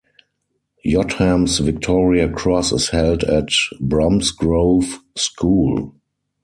Jotham's Victoria Cross is held at Bromsgrove School.